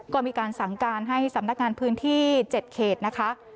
ก็มีการสั่งการให้สำนักงานพื้นที่๗เขตนะคะ